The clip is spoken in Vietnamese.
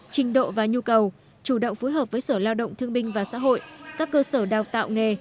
trình độ và nhu cầu chủ động phối hợp với sở lao động thương binh và xã hội các cơ sở đào tạo nghề